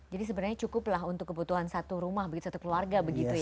jadi sebenarnya cukup lah untuk kebutuhan satu rumah satu keluarga begitu ya